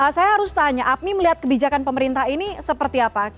saya harus tanya apmi melihat kebijakan pemerintah ini seperti apa